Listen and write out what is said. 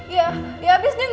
ya ya abisnya gak gunain kamu sih